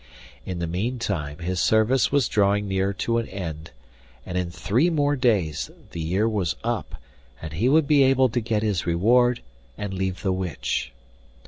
In the meantime his service was drawing near to an end, and in three more days the year was up, and he would be able to get his reward and leave the witch.